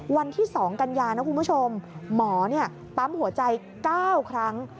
วันที่๒กันยานะคุณผู้ชมหมอปั๊มหัวใจ๙ครั้ง